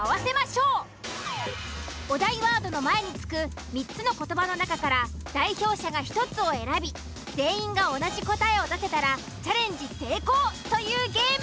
お題ワードの前に付く３つの言葉の中から代表者が１つを選び全員が同じ答えを出せたらチャレンジ成功というゲーム。